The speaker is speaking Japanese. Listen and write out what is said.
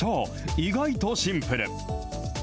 意外とシンプル。